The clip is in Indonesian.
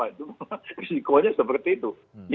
dan kondisi kondisi kondisi seperti itu